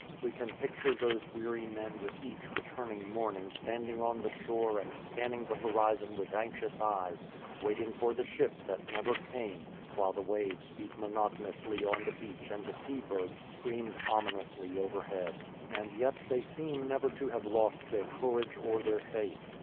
We can picture those weary men with each returning morning standing on the shore and scan ning the horizon with anxious eyes, " waiting for the ship that never came, while the waves beat monotonously on the beach and the sea birds screamed ominously over head." And yet they seem never to have lost their courage or their faith.